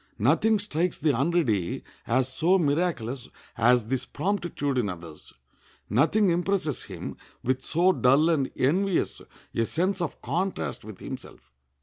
Nothing strikes the unready as so miraculous as this promptitude in others; nothing impresses him with so dull and envious a sense of contrast with himself.